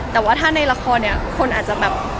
แต่ว่าถ้าในละครเนี่ยคนอาจจะแบบ